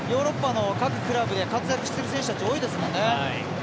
いろんなクラブで活躍している選手たち多いですもんね。